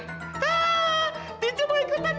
ah tinci mau ikutan dong